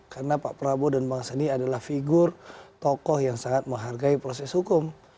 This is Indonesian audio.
karena pak prabowo dan bang sandi adalah figur tokoh yang sangat menghargai proses hukum